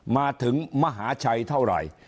มาถึงมหาชัยเท่าไหร่